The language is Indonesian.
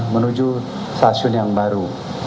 menuju stasiun yang baru